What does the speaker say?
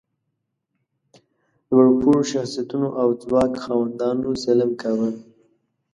لوړ پوړو شخصیتونو او ځواک خاوندانو ظلم کاوه.